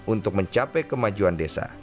untuk mencapai kemajuan desa